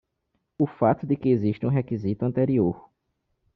O fato de que existe um requisito anterior.